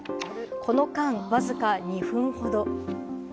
この間、わずか２分ほど。